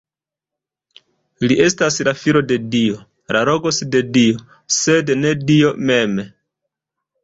Li estas la Filo de Dio, la "Logos" de Dio, sed ne Dio mem.